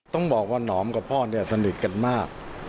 ต้องบอกว่านอ๋อมกับพ่อสนิทกันมาก